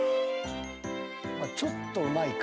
ちょっとうまいか？